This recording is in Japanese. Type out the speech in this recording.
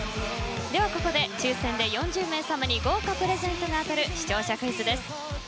では、ここで抽選で４０名さまに豪華プレゼントが当たる視聴者クイズです。